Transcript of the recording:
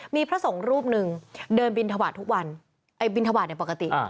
มีพระสงฆ์รูปนึงเดินบินทบาททุกวันบินทบาทปกติ